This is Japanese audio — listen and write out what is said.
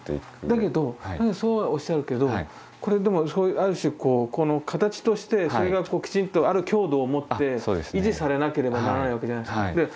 だけどそうはおっしゃるけどこれでもある種こうこの形としてそれがきちんとある強度をもって維持されなければならないわけじゃないですか。